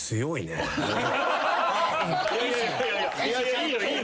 いいのよいいのよ。